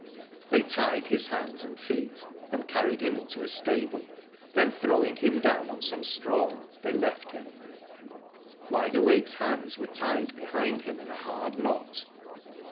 They tied his hands and feet, and carried him ^into a stable. Then throwing him down on some straw, they left him. Wide Awake's hands were tied behind him in a hard knot.